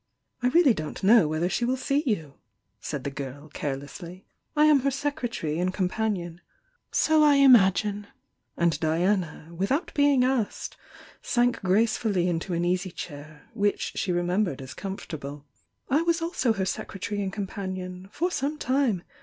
"I really don't know whether she will see you," said the girl, carelessly. "I am her secretary and companion " "So I imagine!" and Diana, without being asked, sank gracefully into an easy chair, which she remem bered as comfortable — "I was also her secretary and companion — for some time!